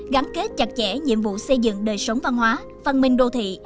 gắn kết chặt chẽ nhiệm vụ xây dựng đời sống văn hóa văn minh đô thị